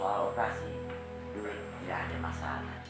soal operasi duit gak ada masalah